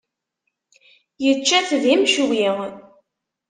Yečča-t d imecwi.